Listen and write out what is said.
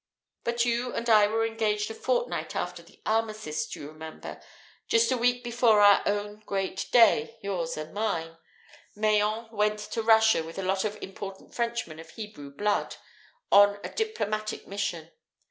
But you and I were engaged a fortnight after the Armistice, you remember. Just a week before our own Great Day (yours and mine) Mayen went to Russia with a lot of important Frenchmen of Hebrew blood, on a diplomatic mission.